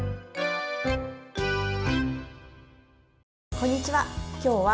こんにちは。